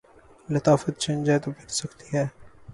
لطافت چھن جائے تو پھر سختی ہے۔